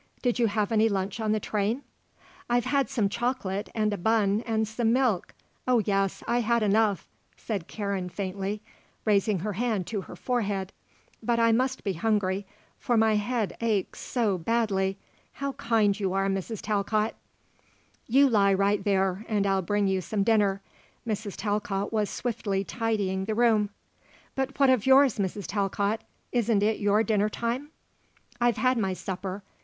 Did you have any lunch on the train?" "I've had some chocolate and a bun and some milk, oh yes, I had enough," said Karen faintly, raising her hand to her forehead; "but I must be hungry; for my head aches so badly. How kind you are, Mrs. Talcott." "You lie right there and I'll bring you some dinner." Mrs. Talcott was swiftly tidying the room. "But what of yours, Mrs. Talcott? Isn't it your dinner time?" "I've had my supper.